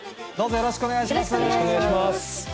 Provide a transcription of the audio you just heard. よろしくお願いします。